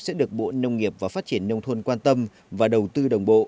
sẽ được bộ nông nghiệp và phát triển nông thôn quan tâm và đầu tư đồng bộ